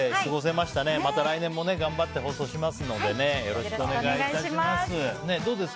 また来年も頑張って放送しますのでよろしくお願いします。